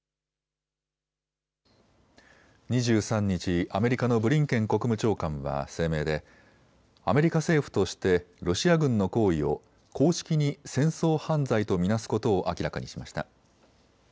２３日、アメリカのブリンケン国務長官は声明でアメリカ政府としてロシア軍の行為を公式に戦争犯罪と見なすことを明らかにしました。